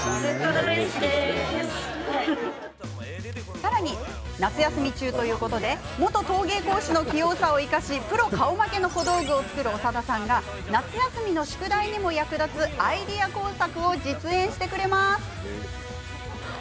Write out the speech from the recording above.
さらに夏休み中ということで元陶芸講師の器用さを生かしプロ顔負けの小道具を作る長田さんが夏休みの宿題にも役立つアイデア工作を実演してくれます。